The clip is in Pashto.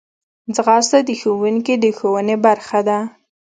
ځغاسته د ښوونکي د ښوونې برخه ده